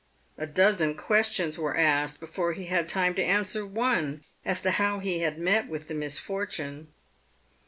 A dozen questions were asked before he had time to answer one, as to how he had met with the misfortune.